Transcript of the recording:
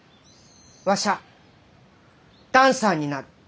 わしゃあダンサーになる。